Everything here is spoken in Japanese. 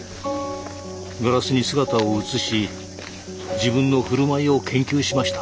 ガラスに姿を映し自分の振る舞いを研究しました。